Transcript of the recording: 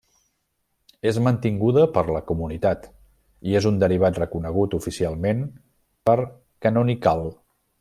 És mantinguda per la comunitat i és un derivat reconegut oficialment per Canonical.